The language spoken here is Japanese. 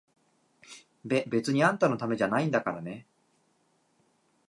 べ、別にあんたのためじゃないんだからね！